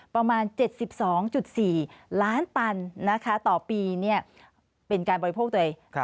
ประมาณ๗๒๔ล้านตันนะคะต่อปีเป็นการบริโภคตัวเอง